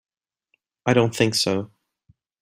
I don't think so.